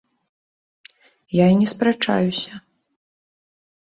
Я і не спрачаюся.